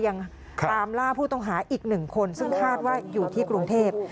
ยังตามล่าผู้ต้องหาอีกหนึ่งคนซึ่งคาดว่าอยู่ที่กรุงเทพ